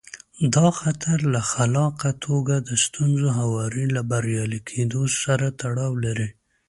دا خطر له خلاقه توګه د ستونزو هواري له بریالي کېدو سره تړاو لري.